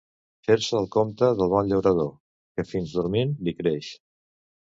Fer-se el compte del bon llaurador, que fins dormint li creix.